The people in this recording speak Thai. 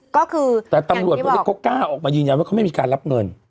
ก็คือค้นออกมายืนยันว่าไม่มีการรับเงิน